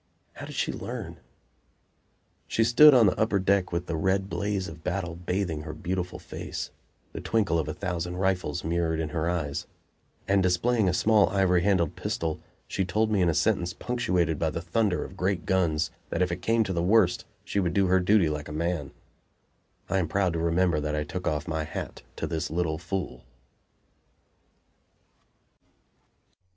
How did she learn? She stood on the upper deck with the red blaze of battle bathing her beautiful face, the twinkle of a thousand rifles mirrored in her eyes; and displaying a small ivory handled pistol, she told me in a sentence punctuated by the thunder of great guns that if it came to the worst she would do her duty like a man! I am proud to remember that I took off my hat to this little fool.